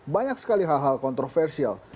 banyak sekali hal hal kontroversial